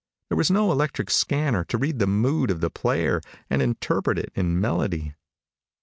There was no electric scanner to read the mood of the player and interpret it in melody.